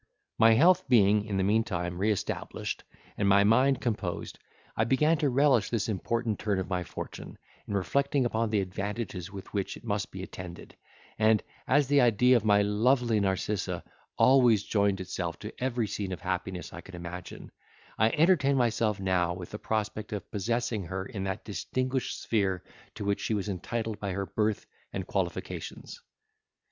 My health being, in the meantime, re established, and my mind composed I began to relish this important turn of my fortune, in reflecting upon the advantages with which it must be attended; and, as the idea of my lovely Narcissa always joined itself to every scene of happiness I could imagine, I entertained myself now with the prospect of possessing her in that distinguished sphere to which she was entitled by her birth and qualifications.